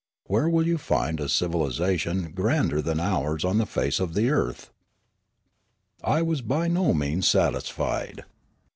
Where will you find a civil isation grander than ours on the face of the earth ?" I was by no means satisfied.